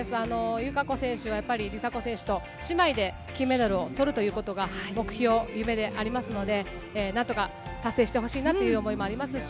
友香子選手は梨紗子選手と姉妹で金メダルを取るということが目標、夢でありますので何とか達成してほしいなという思いもあります。